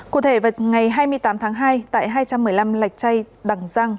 cụ thể vào ngày hai mươi tám tháng hai tại hai trăm một mươi năm lạch chay đằng giang